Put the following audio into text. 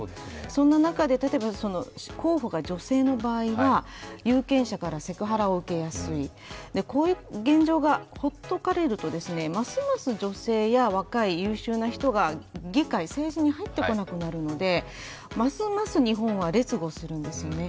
そんな中で、例えば候補が女性の場合は、有権者からセクハラを受けやすい、こういう現状が放っておかれるとますます女性や若い優秀な人が議会・政治に入ってこなくなるのでますます日本は劣後するんですよね。